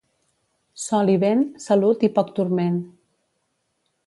Sol i vent, salut i poc turment.